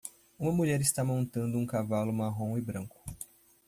Uma mulher está montando um cavalo marrom e branco.